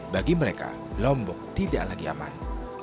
bagi mereka lombok tidak lagi aman